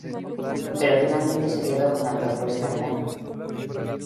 Pero finalmente se quedó con la propuesta grana.